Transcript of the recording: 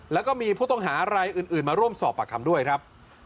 แล้วก็มีผู้ต้องหารายอื่นมาร่วมสอบปากคำด้วยครับ